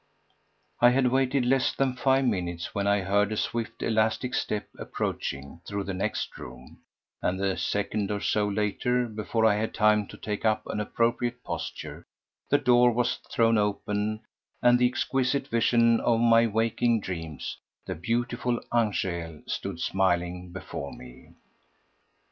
I had waited less than five minutes when I heard a swift, elastic step approaching through the next room, and a second or so later, before I had time to take up an appropriate posture, the door was thrown open and the exquisite vision of my waking dreams—the beautiful Angèle— stood smiling before me.